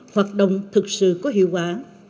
hoạt động thực sự có hiệu quả